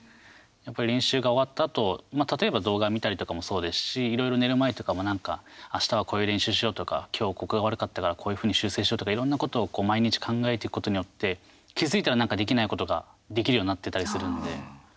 やっぱり練習が終わったあと例えば、動画見たりとかもそうですしいろいろ寝る前とかも何か、あしたはこういう練習しようとかきょう、ここが悪かったからこういうふうに修正しようとかいろんなことを毎日考えていくことによって気づいたら、なんかできないことができるようになってたりするんで。